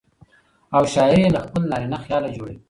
او شاعر يې له خپل نارينه خياله جوړوي.